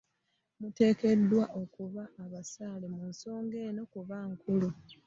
Muteekeddwa okuba abasaale mu nsonga eno kuba nkulu.